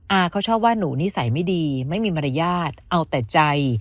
เขาชอบว่าหนูนิสัยไม่ดีไม่มีมารยาทเอาแต่ใจ